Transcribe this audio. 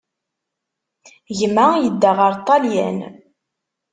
Gma yedda ɣer Ṭṭalyan.